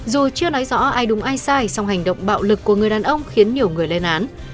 dù chưa nói rõ ai đúng ai sai song hành động bạo lực của người đàn ông khiến nhiều người lên án